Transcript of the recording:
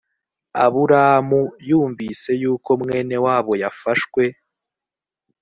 aburamu yumvise yuko mwene wabo yafashwe